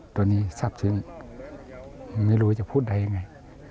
ตัวนี้ทรัพย์ชิ้นไม่รู้จะพูดอะไรยังไง